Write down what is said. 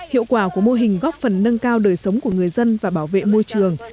hiệu quả của mô hình góp phần nâng cao đời sống của người dân và bảo vệ môi trường